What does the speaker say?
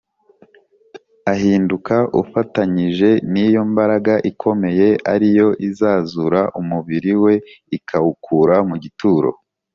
ahinduka ufatanyije n’iyo mbaraga ikomeye ari yo izazura umubiri we ikawukura mu gituro